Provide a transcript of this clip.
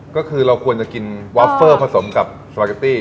ก็คือเราควรจะกินวอฟเฟอร์ผสมกับสปาเกตตี้